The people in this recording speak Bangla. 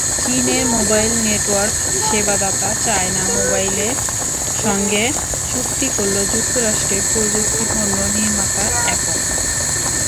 চীনের মোবাইল নেটওয়ার্ক সেবাদাতা চায়না মোবাইলের সঙ্গে চুক্তি করল যুক্তরাষ্ট্রের প্রযুক্তিপণ্য নির্মাতা অ্যাপল।